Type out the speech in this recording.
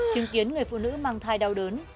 chứng kiến người phụ nữ mang thai đau đớn